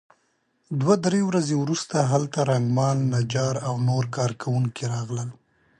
دوه درې ورځې وروسته هلته رنګمال نجار او نور کار کوونکي راغلل.